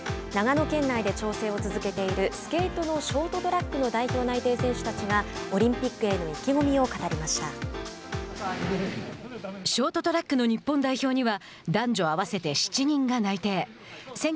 長野県内で調整を続けているスケートのショートトラックの代表内定選手たちがオリンピックへの意気込みをショートトラックの日本代表には男女合わせて７人が内定。